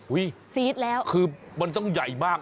ซีดแล้วคือมันต้องใหญ่มาก